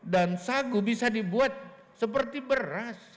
dan sagu bisa dibuat seperti beras